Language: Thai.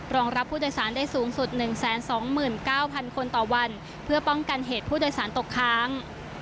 รับผู้โดยสารได้สูงสุด๑๒๙๐๐คนต่อวันเพื่อป้องกันเหตุผู้โดยสารตกค้าง